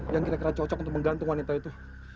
yang kira kira cocok untuk menggantung wanita itu